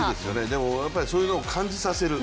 でも、そういうのを感じさせる。